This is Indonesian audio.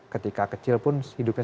ketika kecil pun hidupnya